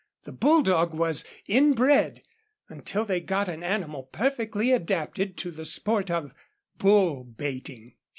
The bulldog was inbred, until they got an animal perfectly adapted to the sport of bull baiting.